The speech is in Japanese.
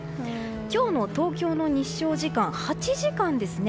今日の東京の日照時間８時間ですね。